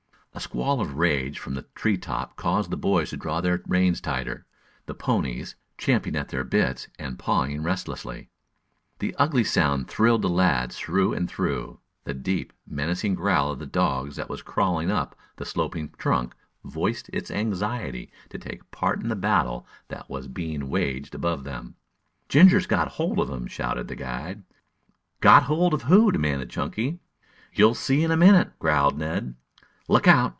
A squall of rage from the tree top caused the boys to draw their reins tighter, the ponies champing at their bits and pawing restlessly. The ugly sound thrilled the lads through and through. The deep, menacing growl of the dog that was crawling up the sloping trunk voiced his anxiety to take part in the desperate battle that was being waged above them. "Ginger's got hold of him!" shouted the guide. "Got hold of who?" demanded Chunky. "You'll see in a minute," growled Ned. "Look out!